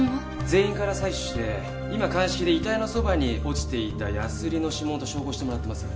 全員から採取して今鑑識で遺体のそばに落ちていたヤスリの指紋と照合してもらってます。